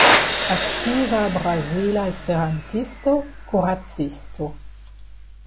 Aktiva brazila esperantisto, kuracisto.